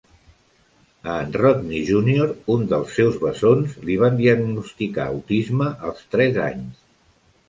A en Rodney Junior, un dels seus bessons, li van diagnosticar autisme als tres anys.